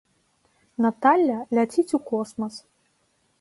Наталля ляціць у космас.